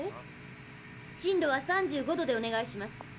進路は３５度でお願いします。